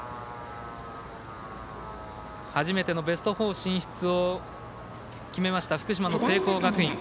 初めてのベスト４進出を決めました福島の聖光学院。